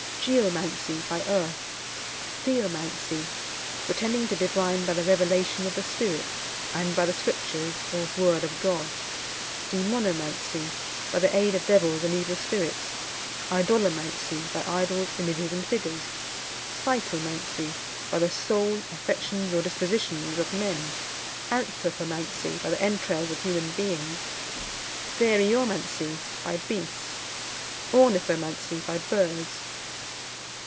Geomancy, by earth. Theomancy, pretending to divine by the revelation of the Spirit, and by the Scriptures, or word of God. Demonomancy, by the aid of devils and evil spirits. Idolomancy, by idols, images, and figures. Psychomancy, by the soul, affections, or dispositions of men. Anthropomancy, by the entrails of human beings. Theriomancy, by beasts. Ornithomancy, by birds.